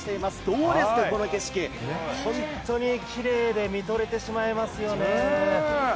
どうですか、この景色、本当にきれいで、見とれてしまいますよね。